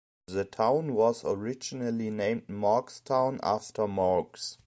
The town was originally named Maughs Town after Maughs.